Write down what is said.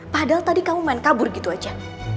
padahal tadi kamu main kabur gitu aja